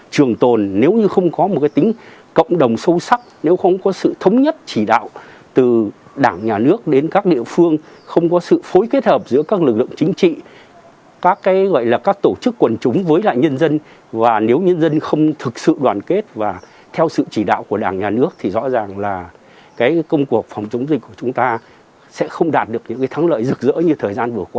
trường tồn nếu như không có một cái tính cộng đồng sâu sắc nếu không có sự thống nhất chỉ đạo từ đảng nhà nước đến các địa phương không có sự phối kết hợp giữa các lực lượng chính trị các cái gọi là các tổ chức quần chúng với lại nhân dân và nếu nhân dân không thực sự đoàn kết và theo sự chỉ đạo của đảng nhà nước thì rõ ràng là cái công cuộc phòng chống dịch của chúng ta sẽ không đạt được những cái thắng lợi rực rỡ như thời gian vừa qua